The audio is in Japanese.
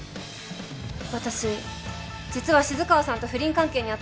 私実は静川さんと不倫関係にあったんです